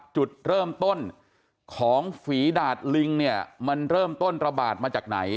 จุดเริ่มต้นของฝีดาดลิงเนี่ยมันเริ่มต้นระบาดมาจากไหน